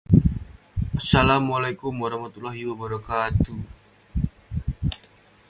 He was instrumental in establishing the modern Imperial Japanese military.